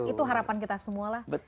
itu harapan kita semua lah